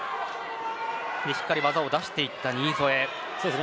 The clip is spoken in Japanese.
しっかり技を出していった新添です。